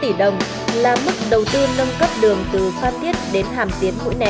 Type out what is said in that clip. hai trăm tám mươi sáu tỷ đồng là mức đầu tư nâng cấp đường từ phan thiết đến hàm tiến hũi né